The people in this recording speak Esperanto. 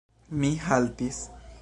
Mi haltis.